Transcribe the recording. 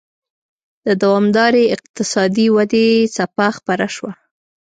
د دوامدارې اقتصادي ودې څپه خپره شوه.